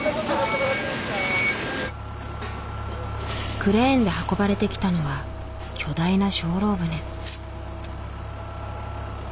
クレーンで運ばれてきたのは巨大な精霊船。